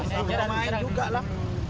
saya pemain juga